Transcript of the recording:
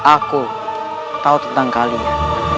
aku tahu tentang kalian